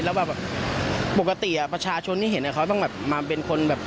แล้วแบบปกติประชาชนที่เห็นเขาต้องแบบมาเป็นคนแบบ